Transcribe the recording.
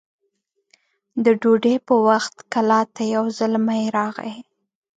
د ډوډۍ په وخت کلا ته يو زلمی راغی